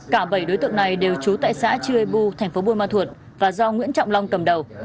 cả bảy đối tượng này đều trú tại xã chư ê bu tp buôn ma thuột và do nguyễn trọng long cầm đầu